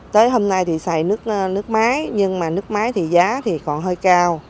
tới hôm nay thì xài nước nước máy nhưng mà nước máy thì giá thì còn hơi cao